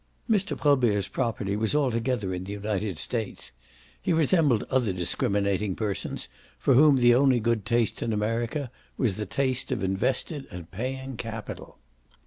Mr. Probert's property was altogether in the United States: he resembled other discriminating persons for whom the only good taste in America was the taste of invested and paying capital.